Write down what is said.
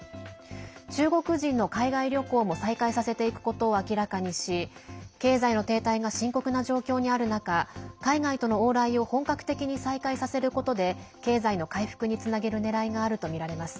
中国人の海外旅行も再開させていくことを明らかにし経済の停滞が深刻な状況にある中海外との往来を本格的に再開させることで経済の回復につなげるねらいがあるとみられます。